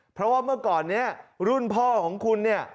เพราะว่าเมื่อก่อนนี้รุ่นพ่อของคุณเนี่ย